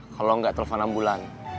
kalo gak telepon ambulan